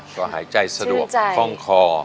ก็หายใจสะดวกคล่องคอ